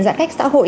giãn cách xã hội